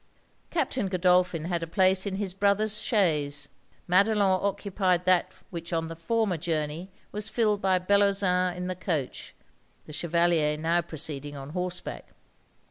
Captain Godolphin had a place in his brother's chaise; Madelon occupied that which on the former journey was filled by Bellozane in the coach, the Chevalier now proceeding on horseback.